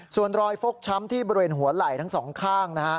ส่วนรอยฟกช้ำที่บริเวณหัวไหล่ทั้งสองข้าง